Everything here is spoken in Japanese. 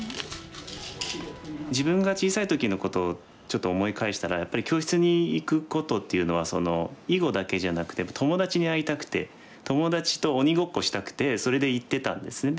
自分が小さい時のことをちょっと思い返したらやっぱり教室に行くことっていうのは囲碁だけじゃなくて友達に会いたくて友達と鬼ごっこしたくてそれで行ってたんですね。